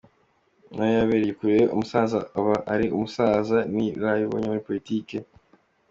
No yarebye kure, umusaza aba ari umusaza, ni inararibonye muri politiki.